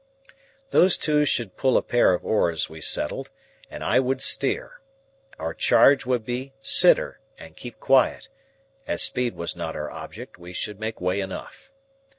Those two should pull a pair of oars, we settled, and I would steer; our charge would be sitter, and keep quiet; as speed was not our object, we should make way enough.